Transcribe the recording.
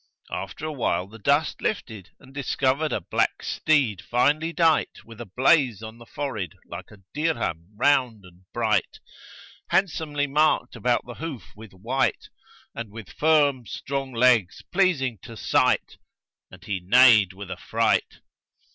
After a while the dust lifted and discovered a black steed finely dight with a blaze on the forehead like a dirham round and bright;[FN#137] handsomely marked about the hoof with white and with firm strong legs pleasing to sight and he neighed with affright.